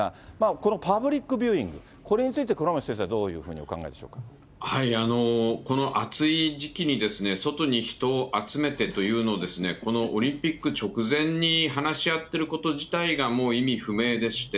このパブリックビューイング、これについて、倉持先生はどういうこの暑い時期に、外に人を集めてというのをこのオリンピック直前に話し合ってること自体が、もう意味不明でして。